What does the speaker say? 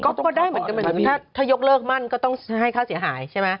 ก็ได้เหมือนกันถ้ายกเลิกมั่นก็ต้องให้ค่าเสียหายใช่ไหม